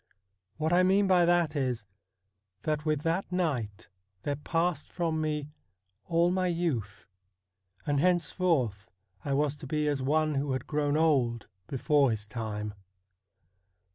What I mean by that is, that with that night there passed from me all my youth, and henceforth I was to be as one who had grown old before his time.